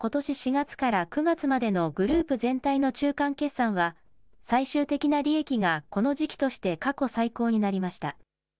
４月から９月までのグループ全体の中間決算は、最終的な利益がこの時期として過去最高になりました。